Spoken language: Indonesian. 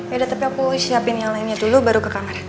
beda tapi aku siapin yang lainnya dulu baru ke kamar